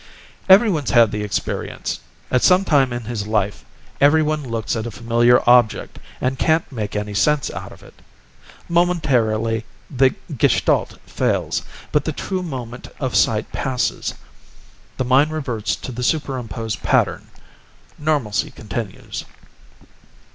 "Everyone's had the experience. At some time in his life, everyone looks at a familiar object and can't make any sense out of it. Momentarily, the gestalt fails, but the true moment of sight passes. The mind reverts to the superimposed pattern. Normalcy continues."